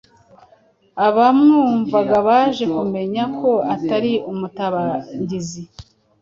Abamwumvaga baje kumenya ko atari umutangizi,